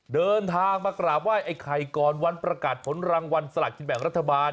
เดินทางมากราบไหว้ไอ้ไข่ก่อนวันประกาศผลรางวัลสลักกินแบ่งรัฐบาล